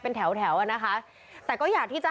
เป็นแถวแถวอ่ะนะคะแต่ก็อยากที่จะ